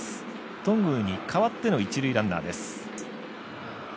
頓宮に代わっての一塁ランナーです。